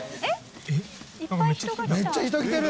めっちゃ人来てる！